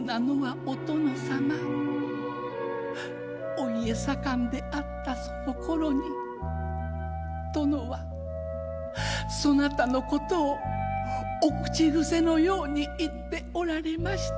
お家盛んであったその頃に殿はそなたの事をお口ぐせの様に言っておられました。